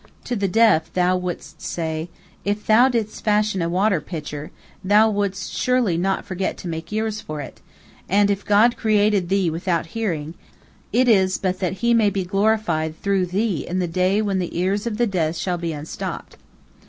To the deaf thou wouldst say, If thou didst fashion a water pitcher, thou wouldst surely not forget to make ears for it, and if God created thee without hearing, it is but that He may be glorified through thee in the day when 'the ears of the deaf shall be unstopped.'